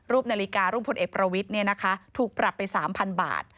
รูปนาฬิการุ่มพลเอ็กซ์ประวิทถูกปรับไป๓๐๐๐บาท